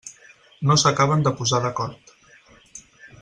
No s'acaben de posar d'acord.